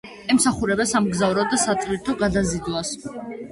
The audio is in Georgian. ემსახურება სამგზავრო და სატვირთო გადაზიდვას.